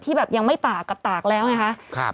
แบบยังไม่ตากกับตากแล้วไงคะ